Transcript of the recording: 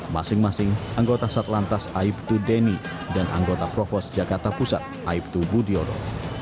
masing masing anggota sat lantas aibtu deni dan anggota provos jakarta pusat aibtu budiodo